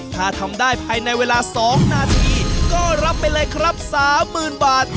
ถ้าทำได้ภายในเวลา๒นาทีก็รับไปเลยครับ๓๐๐๐บาท